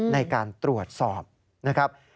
ในการตรวจสอบนะครับ